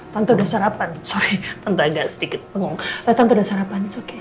tante udah sarapan sorry tante agak sedikit pengul tante udah sarapan it's okay